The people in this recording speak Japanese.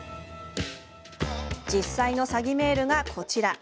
実際の詐欺メールが、こちら。